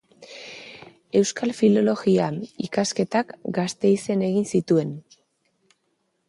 Euskal Filologia ikasketak Gasteizen egin zituen.